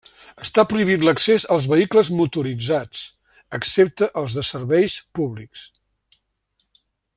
Està prohibit l'accés als vehicles motoritzats, excepte els de serveis públics.